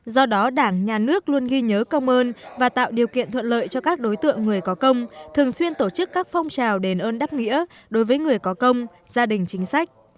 do đó đảng nhà nước luôn ghi nhớ công ơn và tạo điều kiện thuận lợi cho các đối tượng người có công thường xuyên tổ chức các phong trào đền ơn đáp nghĩa đối với người có công gia đình chính sách